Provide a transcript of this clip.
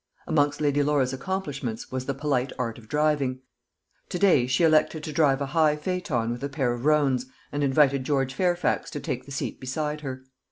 Amongst Lady Laura's accomplishments was the polite art of driving. To day she elected to drive a high phaeton with a pair of roans, and invited George Fairfax to take the seat beside her.